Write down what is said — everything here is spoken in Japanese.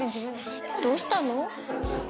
どうしたの？